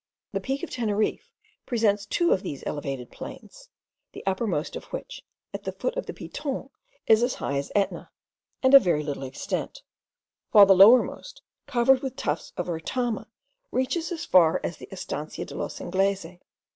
The peak of Teneriffe presents two of these elevated plains, the uppermost of which, at the foot of the Piton, is as high as Etna, and of very little extent; while the lowermost, covered with tufts of retama, reaches as far as the Estancia de los Ingleses.